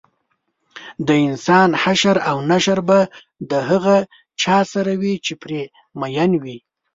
دانسان حشر او نشر به د هغه چا سره وي چې پرې مین وي